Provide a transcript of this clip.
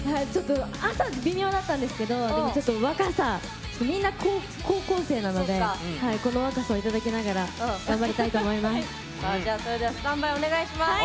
朝、微妙だったんですけど若さみんな、高校生なのでこの若さをいただきながら頑張りたいと思います。